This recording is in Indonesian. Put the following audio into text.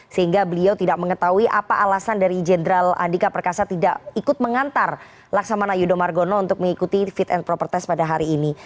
sehingga beliau tidak mengetahui apa alasan dari jenderal andika perkasa tidak ikut mengantar laksamana yudho margono untuk mengikuti fit and proper test pada hari ini